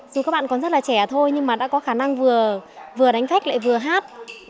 dù các bạn còn rất là trẻ thôi nhưng mà đã có khả năng vừa đánh phách lại vừa hát